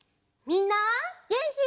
みんなげんき？